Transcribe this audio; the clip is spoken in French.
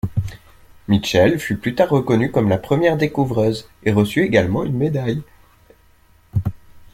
Mitchell fut plus tard reconnue comme la première découvreuse et reçut également une médaille.